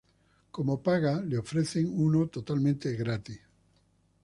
Como paga, le ofrecen uno totalmente gratis.